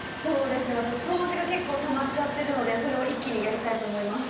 私掃除が結構たまってるのでそれ一気にやりたいと思います。